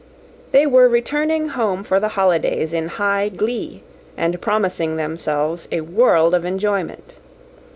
They were returning home for the holidays in high glee, and promising themselves a world of enjoyment.